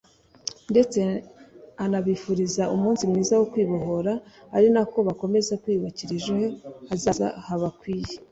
ndetse anabifuriza umunsi mwiza wo kwibohora ari na ko bakomeza kwiyubakira ejo hazaza habakwiye